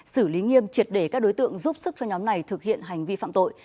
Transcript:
xử lý nghiêm triệt để các đối tượng giúp sức cho nhóm này thực hiện hành vi phạm tội